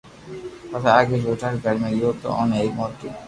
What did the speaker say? پسو آگي چوٿا گھر ۾ گيو تو اوني ايڪ موٺي